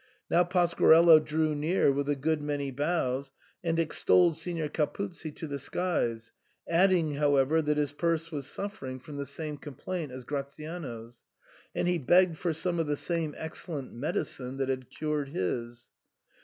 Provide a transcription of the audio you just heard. Now Pasquarello drew near with a good many bows, and extolled Signor Capuzzi to the skies, adding, however, that his purse was suffering from the same complaint as Gratiano's, and he begged for some of the same excellent medicine that had cured his.